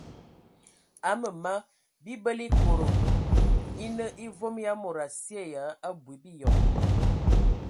Aməmama bibələ ekodog e nə evom ya mod asye ya abui biyɔŋ.